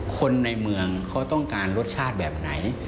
คนในเมืองเขาต้องการรสชาติแบบไหน